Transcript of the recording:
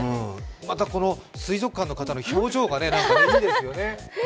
また、水族館の方の表情がいいですよね。